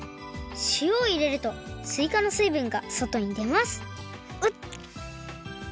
しおをいれるとすいかのすいぶんがそとにでますうっ！